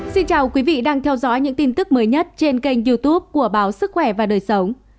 xin chào quý vị đang theo dõi những tin tức mới nhất trên kênh youtube của báo sức khỏe và đời sống